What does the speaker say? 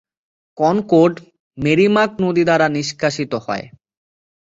Concord মেরিমাক নদী দ্বারা নিষ্কাশিত হয়।